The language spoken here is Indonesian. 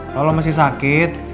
kalau masih sakit